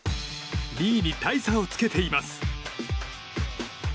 ２位に大差をつけています。